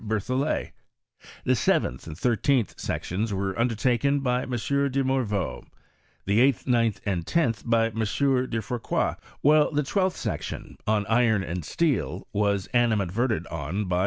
Berthollet; the seventh and thirteenth sections were undertaken by M. de Morveau ; the eighth, ninth, and tenth, by M. De Fourcroy; while the twelfth section, on iron and steel was animadverted on by M.